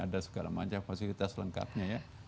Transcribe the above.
ada segala macam fasilitas lengkapnya ya